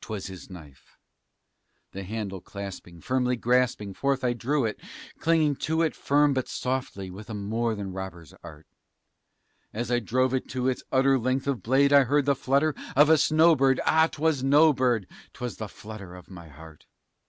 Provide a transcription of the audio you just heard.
'Twas his knife the handle clasping, firmly grasping, forth I drew it, Clinging to it firm, but softly, with a more than robber's art; As I drove it to its utter length of blade, I heard the flutter Of a snow bird ah! 'twas no bird! 'twas the flutter of my heart.